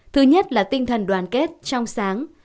thứ nhất là tinh thần đoàn kết trong sáng